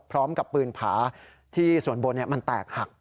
พร้อมกับปืนผาที่ส่วนบนมันแตกหัก